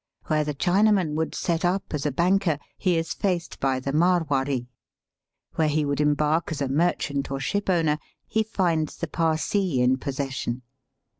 Where the Chinaman would set up as a banker he is faced by the Marwaree ; where he would embark as a merchant or shipowner he finds the Parsee in possession.